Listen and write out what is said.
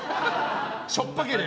しょっぱけりゃ？